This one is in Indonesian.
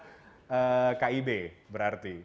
tidak yang sudah punya adalah keb berarti